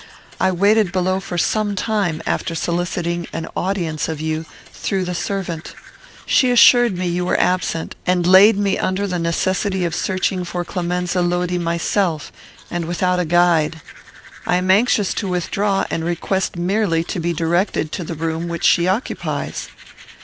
I waited below for some time after soliciting an audience of you through the servant. She assured me you were absent, and laid me under the necessity of searching for Clemenza Lodi myself, and without a guide. I am anxious to withdraw, and request merely to be directed to the room which she occupies."